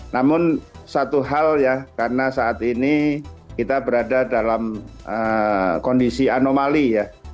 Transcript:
namun satu hal ya karena saat ini kita berada dalam kondisi anomali ya